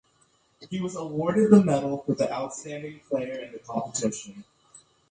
He was awarded the medal for the outstanding player in the competition.